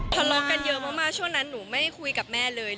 ทะเลาะกันเยอะมากช่วงนั้นหนูไม่คุยกับแม่เลย